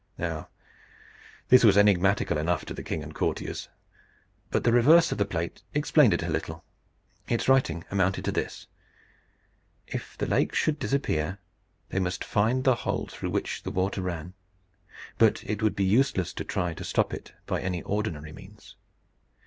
Now this was enigmatical enough to the king and courtiers. But the reverse of the plate explained it a little. Its writing amounted to this: "If the lake should disappear, they must find the hole through which the water ran. But it would be useless to try to stop it by any ordinary means.